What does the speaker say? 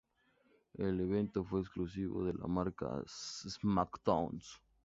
El evento fue exclusivo de la marca "SmackDown!